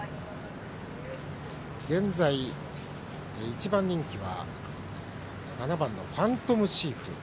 現在、１番人気は７番ファントムシーフ。